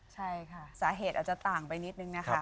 ใช่ค่ะสาเหตุอาจจะต่างไปนิดนึงนะคะ